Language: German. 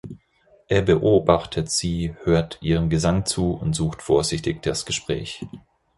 Er beobachtet sie, hört ihrem Gesang zu und sucht vorsichtig das Gespräch.